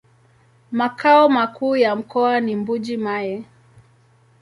Makao makuu ya mkoa ni Mbuji-Mayi.